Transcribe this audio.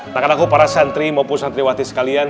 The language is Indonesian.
nah kan aku para santri maupun santri watis kalian